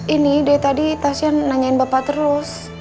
ini dari tadi tashion nanyain bapak terus